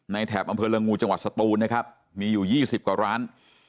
แถบอำเภอละงูจังหวัดสตูนนะครับมีอยู่๒๐กว่าร้าน